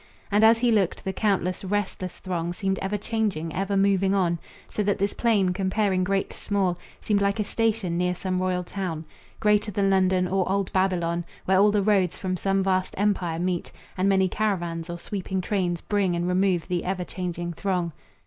And as he looked, the countless, restless throng Seemed ever changing, ever moving on, So that this plain, comparing great to small, Seemed like a station near some royal town, Greater than London or old Babylon, Where all the roads from some vast empire meet, And many caravans or sweeping trains Bring and remove the ever changing throng.